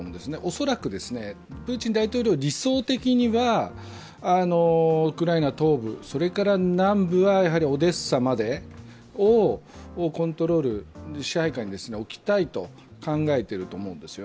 恐らくプーチン大統領、理想的にはウクライナ東部それから南部はオデーサまでをコントロール、支配下に置きたいと考えていると思うんです。